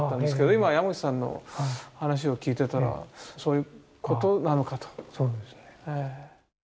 今山口さんの話を聞いてたらそういうことなのかと。